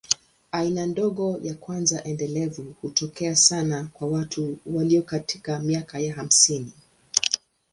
Aina ndogo ya kwanza endelevu hutokea sana kwa watu walio katika miaka ya hamsini.